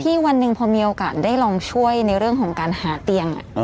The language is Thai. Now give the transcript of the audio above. วันหนึ่งพอมีโอกาสได้ลองช่วยในเรื่องของการหาเตียง